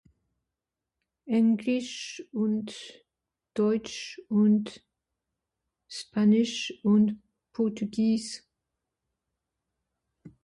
Englisch und Deutsch und Spanish und Portugiis